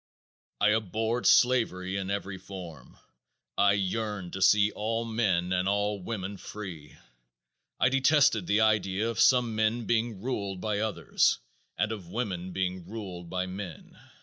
I abhorred slavery in every form. I yearned to see all men and all women free. I detested the idea of some men being ruled by others, and of women being ruled by men.